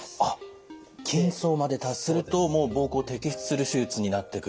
筋層まで達するともう膀胱摘出する手術になってくると。